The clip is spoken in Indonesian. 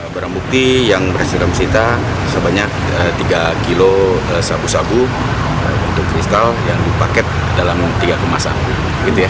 barang bukti yang berhasil kami sita sebanyak tiga kilo sabu sabu untuk kristal yang dipaket dalam tiga kemasan